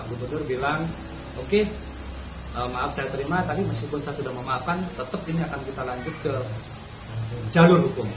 gue berasal dari provinsi yang naku ini nacal